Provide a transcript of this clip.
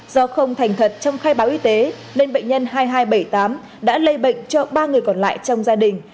do không thành thật trong khai báo y tế nên bệnh nhân hai nghìn hai trăm bảy mươi tám đã lây bệnh cho ba người còn lại trong gia đình